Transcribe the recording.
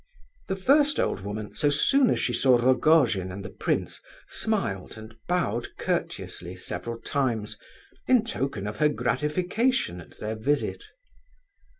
The first old woman, so soon as she saw Rogojin and the prince, smiled and bowed courteously several times, in token of her gratification at their visit.